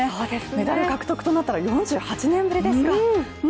メダル獲得となったら４８年ぶりですか。